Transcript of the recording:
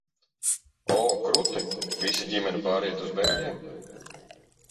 O, kruti! Visa ģimene pārejat uz bembjiem?